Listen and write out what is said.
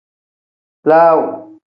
Laaw.